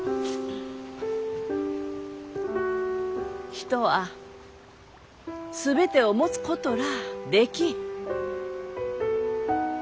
人は全てを持つことらあできん。